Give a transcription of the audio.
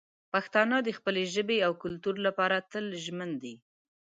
پښتانه د خپلې ژبې او کلتور لپاره تل ژمن دي.